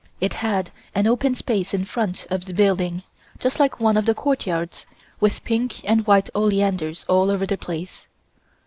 It had an open space in front of the building, just like one of the courtyards, with pink and white oleanders all over the place.